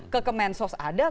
ke kemensos ada